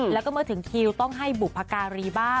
แล้วก็เมื่อถึงคิวต้องให้บุพการีบ้า